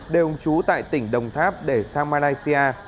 đều chú tại tỉnh đồng tháp để sang malaysia